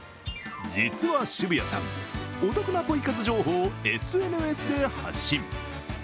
実は渋谷さん、お得なポイ活情報をＳＮＳで発信。